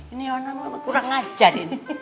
ini orang kurang ngajarin